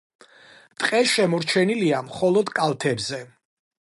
ტყე შემორჩენილია მხოლოდ კალთებზე.